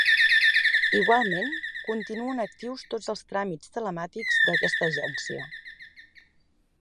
Igualment, continuen actius tots els tràmits telemàtics d'aquesta Agència.